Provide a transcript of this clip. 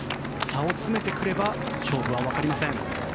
差を詰めてくれば勝負は分かりません。